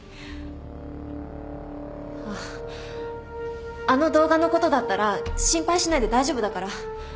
あっあの動画のことだったら心配しないで大丈夫だから。